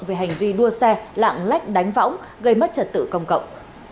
về hành vi đua xe lạng lách đánh võng gây mất trật tự công cộng